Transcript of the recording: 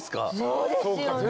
そうですよね。